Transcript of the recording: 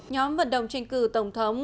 nhóm vận động tranh cử tổng thống